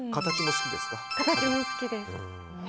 形も好きです。